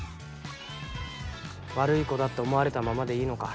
悪い子だって思われたままでいいのか？